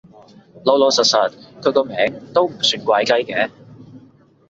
老老實實，佢個名都唔算怪雞嘅